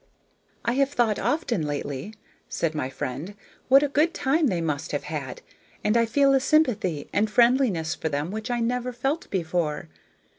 "I have thought often, lately," said my friend, "what a good time they must have had, and I feel a sympathy and friendliness for them which I never felt before.